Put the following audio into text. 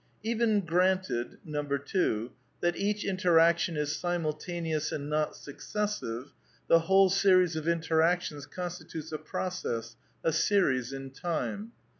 Even granted (2) that each interaction is simul taneous and not successive, the whole series of interactions constitutes a process, a series in time.